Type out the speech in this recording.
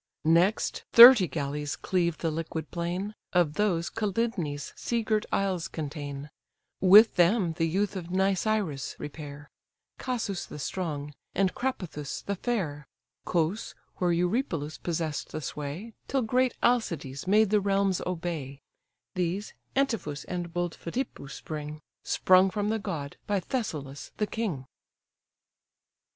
Next thirty galleys cleave the liquid plain, Of those Calydnæ's sea girt isles contain; With them the youth of Nisyrus repair, Casus the strong, and Crapathus the fair; Cos, where Eurypylus possess'd the sway, Till great Alcides made the realms obey: These Antiphus and bold Phidippus bring, Sprung from the god by Thessalus the king.